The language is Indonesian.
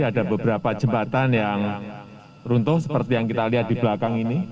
ada beberapa jembatan yang runtuh seperti yang kita lihat di belakang ini